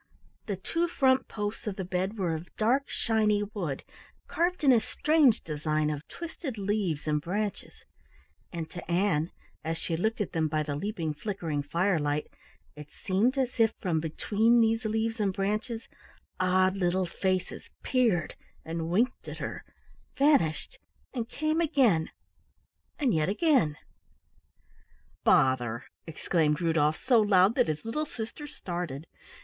The two front posts of the bed were of dark shiny wood carved in a strange design of twisted leaves and branches, and to Ann, as she looked at them by the leaping flickering firelight, it seemed as if from between these leaves and branches odd little faces peered and winked at her, vanished, and came again and yet again. "Bother!" exclaimed Rudolf so loud that his little sister started.